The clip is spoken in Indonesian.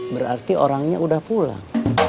berarti orangnya udah pulang